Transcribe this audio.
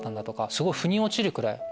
すごいふに落ちるくらい。